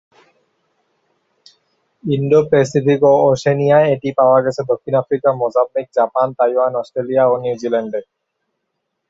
Indo-Pacific ও ওশেনিয়ায় এটি পাওয়া গেছে দক্ষিণ Africa, Mozambique, Japan, Taiwan, Australia ও নিউজিল্যান্ডে।